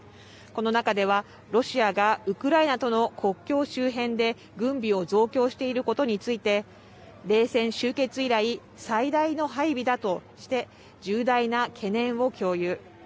この中では、ロシアがウクライナとの国境周辺で軍備を増強していることについて、冷戦終結以来、最大の配備だとして、重大な懸念を共有。